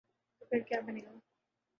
تو پھر کیابنے گا؟